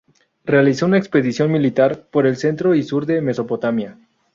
Realizó una expedición militar por el centro y sur de Mesopotamia.